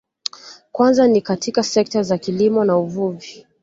Kwanza ni katika sekta za kilimo na uvuvi